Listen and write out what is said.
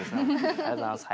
ありがとうございます。